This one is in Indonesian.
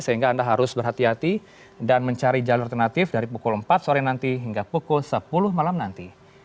sehingga anda harus berhati hati dan mencari jalur alternatif dari pukul empat sore nanti hingga pukul sepuluh malam nanti